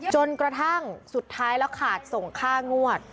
จนกระทั่งสุดท้ายแล้วขาดส่งค่างวด